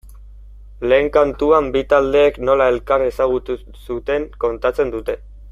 Lehen kantuan bi taldeek nola elkar ezagutu zuten kontatzen dute.